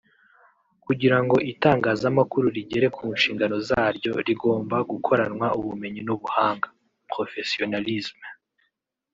Kugira ngo Itangazamakuru rigere ku shingano zaryo rigomba gukoranwa ubumenyi n’ubuhanga (professionalisme)